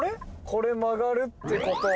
これ曲がるってことは。